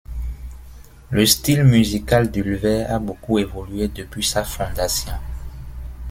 Le style musical d'Ulver a beaucoup évolué depuis sa fondation.